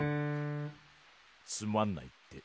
つまんないって。